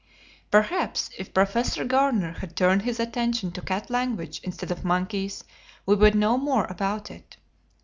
Perhaps, if Professor Garner had turned his attention to cat language instead of monkeys we would know more about it.